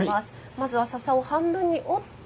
まずは笹を半分に折って。